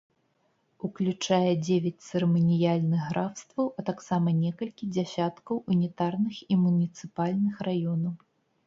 Уключае дзевяць цырыманіяльных графстваў, а таксама некалькі дзясяткаў унітарных і муніцыпальных раёнаў.